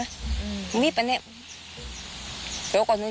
ที่บอกไปอีกเรื่อยเนี่ย